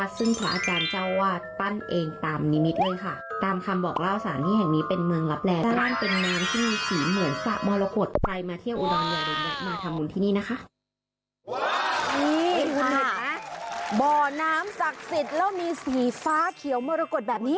นี่คุณเห็นไหมบ่อน้ำศักดิ์สิทธิ์แล้วมีสีฟ้าเขียวมรกฏแบบนี้